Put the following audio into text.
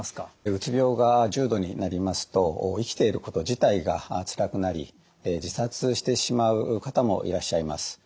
うつ病が重度になりますと生きていること自体がつらくなり自殺してしまう方もいらっしゃいます。